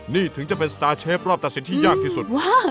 นี่ถึงจะเป็นสตาร์เชฟรอบตัดสินที่ยากที่สุด